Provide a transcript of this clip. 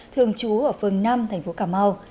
thường trú ở phường năm tp cà mau